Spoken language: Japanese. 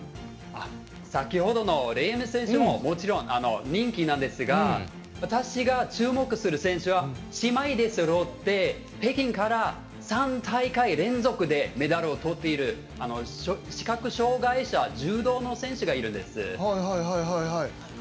先ほどのレーム選手ももちろん、人気なんですが私が注目する選手は姉妹そろって北京から３大会連続でメダルをとっている視覚障がい者柔道の選手がいるんです。